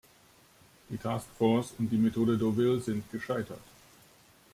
Die Task Force und die Methode Deauville sind gescheitert.